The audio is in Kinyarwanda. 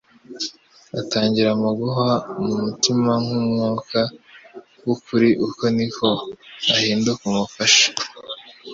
Atangirira mu guhwa mu mutima nk'Umwuka w'ukuri, uko niko ahinduka umufasha.